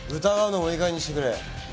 疑うのもいいかげんにしてくれ。